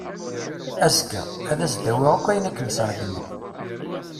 Azekka, ad as-d-awiɣ ayen akken i as-ṛeggmeɣ.